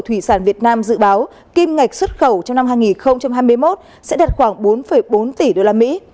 thủy sản việt nam dự báo kim ngạch xuất khẩu trong năm hai nghìn hai mươi một sẽ đạt khoảng bốn bốn tỷ usd